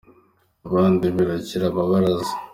Abandi birukira amabaraza